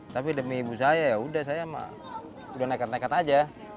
tapi demi ibu saya ya udah saya mah udah nekat nekat aja